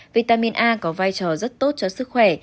vitamin a có vai trò rất tốt cho sức khỏe